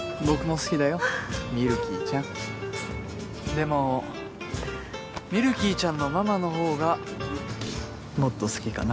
でもミルキーちゃんのママのほうがもっと好きかな。